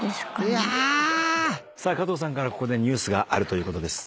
加藤さんからここでニュースがあるということです。